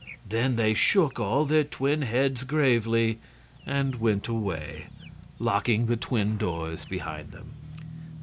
Then they shook all their twin heads gravely and went away, locking the twin doors behind them.